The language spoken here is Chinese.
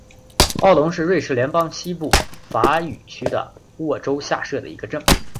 奥龙是瑞士联邦西部法语区的沃州下设的一个镇。